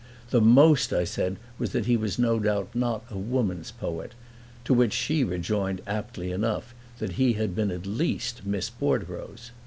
The most I said was that he was no doubt not a woman's poet: to which she rejoined aptly enough that he had been at least Miss Bordereau's.